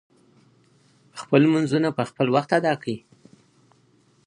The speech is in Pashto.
خپل لمونځونه په خپل وخت ادا کړئ.